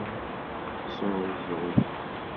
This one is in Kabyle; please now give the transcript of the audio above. Yesɛuẓẓeg.